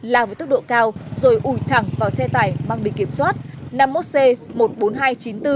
lào với tốc độ cao rồi ủi thẳng vào xe tải mang biển kiểm soát năm mươi một c một mươi bốn nghìn hai trăm chín mươi bốn